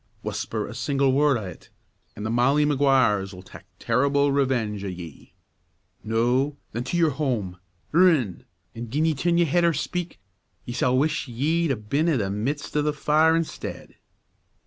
Whusper a single word o' it, an' the Molly Maguires 'll tak' terrible revenge o' ye'! Noo, then, to your home! Rin! an' gin ye turn your head or speak, ye s'all wish ye'd 'a' been i' the midst o' the fire instead."